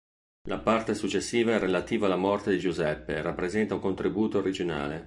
La parte successiva è relativa alla morte di Giuseppe e rappresenta un contributo originale.